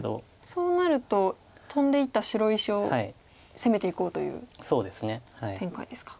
そうなるとトンでいった白石を攻めていこうという展開ですか。